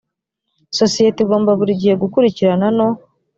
sosiyete igomba buri gihe gukurikirana no